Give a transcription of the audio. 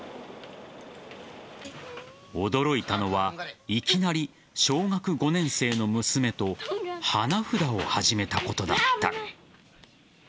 驚いたのはいきなり小学５年生の娘と花札を始めたことだった。